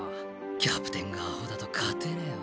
キャプテンがあほだと勝てねえわ。